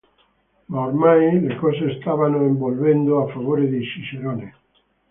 Ma ormai le cose stavano evolvendo a favore di Cicerone.